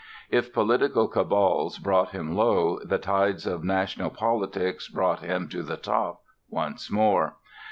If political cabals brought him low, the tides of national politics brought him to the top once more.